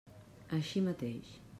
Així mateix.